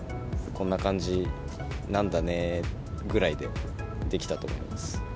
こんな感じなんだねぐらいで出来たと思います。